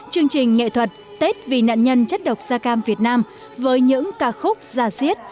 chương trình nghệ thuật tết vì nạn nhân chất độc da cam việt nam với những ca khúc già diết